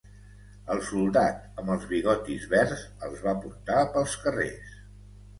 El soldat amb els bigotis verds els va portar pels carrers.